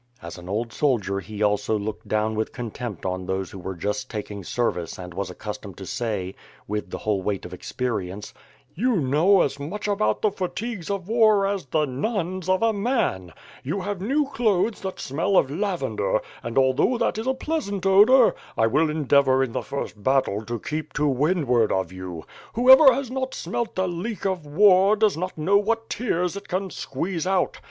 As an old soldier he also looked down with contempt on those who were just taking service and was accustomed to say, with the * Play upon the rhymes baby, Latin, Jeather guiU, WITH FIRE AND SWORD, ^13 whole weight of experience: "You know as much about the fatigues of war as the nuns of a man. You have new clothes that smell of lavender; and, although that is a pleasant odor, 1 will endeavor in the first battle to keep to windward of you. Whoever has not smelt the leek of war does not know what tears it can squeeze out.